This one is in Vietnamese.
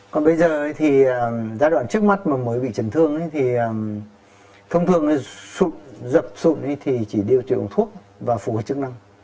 còn bây giờ thì giai đoạn trước mắt mà mới bị chấn thương thì thông thường dập sụn thì chỉ điều trị uống thuốc và phù hợp chức năng